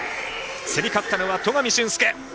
競り勝ったのは戸上隼輔。